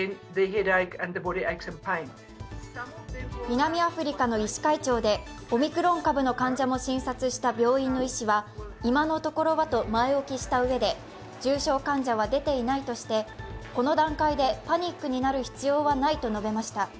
南アフリカの医師会長でオミクロン株の患者も診察した病院の医師は今のところはと前置きしたうえで、重症患者は出ていないとして、この段階でパニックになる必要はないと述べました。